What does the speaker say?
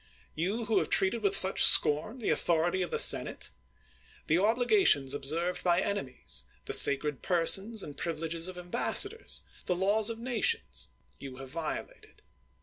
— you who have treated with such scorn the authority of the senate ? The obligations ob served by enemies — the sacred persons and privi leges of ambassadors — the laws of nations — you have violated.